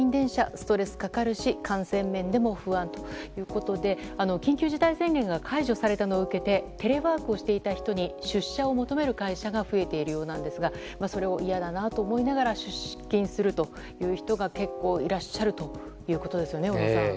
ストレスかかるし感染面でも不安ということで緊急事態宣言が解除されたのを受けてテレワークしていた人に出社を求める会社が増えているようなんですがそれをいやだなと思いながら出勤するという人が結構いらっしゃるということですよね、小野さん。